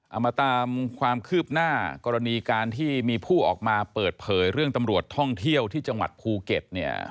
เอามาตามความคืบหน้ากรณีการที่มีผู้ออกมาเปิดเผยเรื่องตำรวจท่องเที่ยวที่จังหวัดภูเก็ตเนี่ย